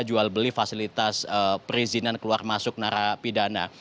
jual beli fasilitas perizinan keluar masuk narapidana